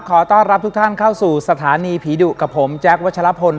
ขอต้อนรับทุกท่านเข้าสู่สถานีผีดุกับผมแจ๊ควัชลพล